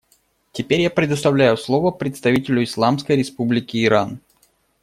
Теперь я предоставляю слово представителю Исламской Республики Иран.